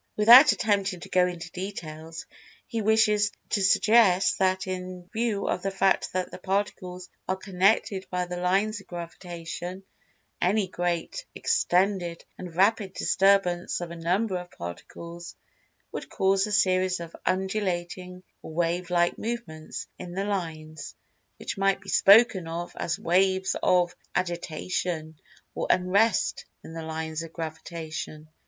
Without attempting to go into details, he wishes to suggest that in view of the fact that the Particles are[Pg 194] connected by the "Lines of Gravitation," any great, extended, and rapid disturbance of a number of Particles would cause a series of undulating or wave like movements in the "lines," which might be spoken of as waves of "Agitation or Unrest" in the Lines of Gravitation.